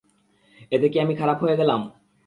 এতে কী আমি খারাপ হয়ে গেলাম?